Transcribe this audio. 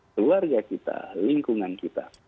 keluarga kita lingkungan kita